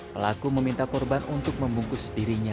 pelaku meminta korban untuk membungkus dirinya